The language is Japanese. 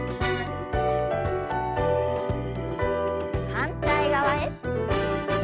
反対側へ。